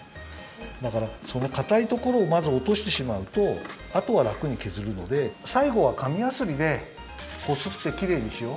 だからそのかたいところをまずおとしてしまうとあとはらくにけずるのでさいごはかみやすりでこすってきれいにしよう！